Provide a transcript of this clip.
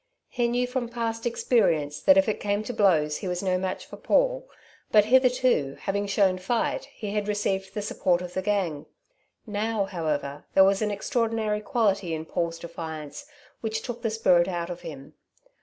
He knew from past experience that if it came to blows he was no match for Paul, but hitherto, having shown fight, he had received the support of the gang. Now, however, there was an extraordinary quality in Paul's defiance which took the spirit out of him.